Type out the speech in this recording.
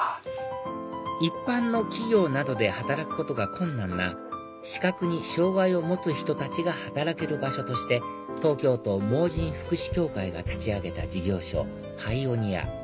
一般の企業などで働くことが困難な視覚に障害を持つ人たちが働ける場所として東京都盲人福祉協会が立ち上げた事業所パイオニア